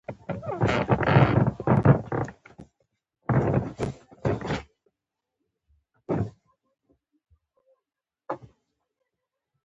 د نولسمې پېړۍ په لومړیو کې اقتصادي بنسټونه جوړ کړل.